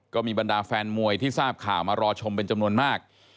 บรรดาแฟนมวยที่ทราบข่าวมารอชมเป็นจำนวนมาก